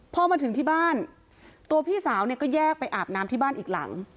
พอมาถึงที่บ้านตัวพี่สาวเนี่ยก็แยกไปอาบน้ำที่บ้านอีกหลัง